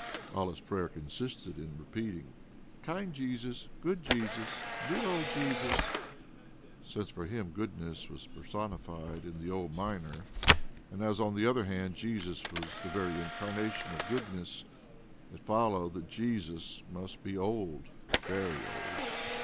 All his prayer consisted in repeating, "Kind Jesus!... Good Jesus!... Dear old Jesus!" Since for him goodness was personified in the old miner, and as on the other hand Jesus was the very incarnation of goodness, it followed that Jesus must be old, very old.